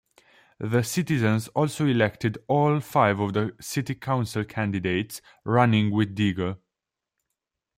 The citizens also elected all five of the city council candidates running with Deger.